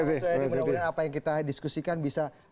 semoga moga apa yang kita diskusikan bisa